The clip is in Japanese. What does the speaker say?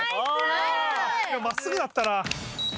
真っすぐだったな。